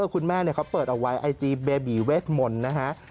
คุณแม่เขาเปิดเอาไว้ไอจีเบบีเวทมนต์นะฮะ